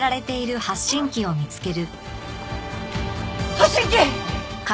発信機！